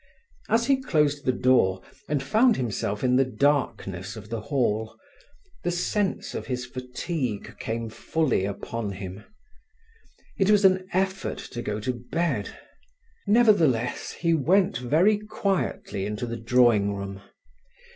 As he closed the door, and found himself in the darkness of the hall, the sense of his fatigue came fully upon him. It was an effort to go to bed. Nevertheless, he went very quietly into the drawing room.